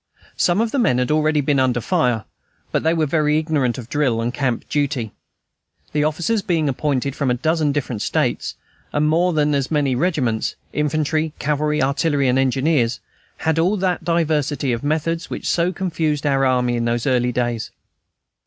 Some of the men had already been under fire, but they were very ignorant of drill and camp duty. The officers, being appointed from a dozen different States, and more than as many regiments, infantry, cavalry, artillery, and engineers, had all that diversity of methods which so confused our army in those early days.